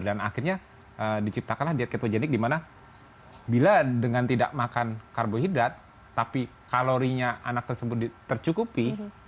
dan akhirnya diciptakanlah diet ketogenik di mana bila dengan tidak makan karbohidrat tapi kalorinya anak tersebut tercukupi